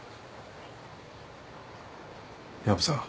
薮さん。